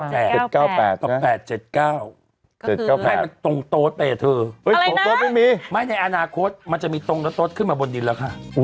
๗๙๘นะครับก็คือตรงโต๊ดไปเถอะคือไม่ในอนาคตมันจะมีตรงโต๊ดขึ้นมาบนนี้แล้วค่ะ